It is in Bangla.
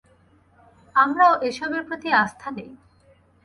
আমারও এসবের প্রতি আস্থা নেই।